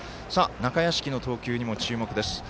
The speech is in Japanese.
中屋敷の投球にも注目です。